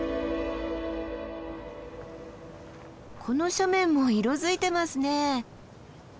この斜面も色づいてますね。